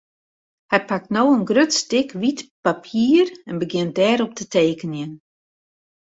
Hy pakt no in grut stik wyt papier en begjint dêrop te tekenjen.